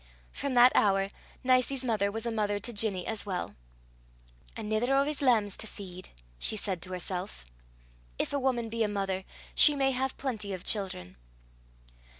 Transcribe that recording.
From that hour Nicie's mother was a mother to Ginny as well. "Anither o' 's lambs to feed!" she said to herself. If a woman be a mother she may have plenty of children.